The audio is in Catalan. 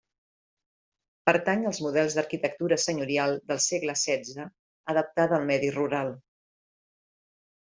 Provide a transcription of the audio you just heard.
Pertany als models d'arquitectura senyorial del segle setze adaptada al medi rural.